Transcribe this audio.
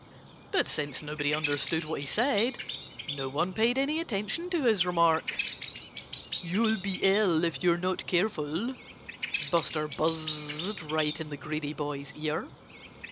But since nobody understood what he said, no one paid any attention to his remark. "You'll be ill, if you're not careful," Buster buzzed right in the greedy boy's ear.